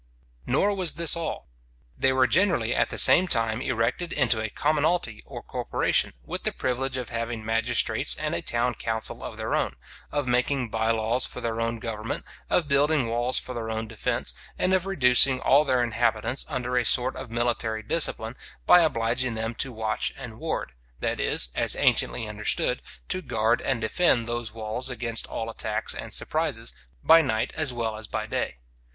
Nor was this all. They were generally at the same time erected into a commonalty or corporation, with the privilege of having magistrates and a town council of their own, of making bye laws for their own government, of building walls for their own defence, and of reducing all their inhabitants under a sort of military discipline, by obliging them to watch and ward; that is, as anciently understood, to guard and defend those walls against all attacks and surprises, by night as well as by day.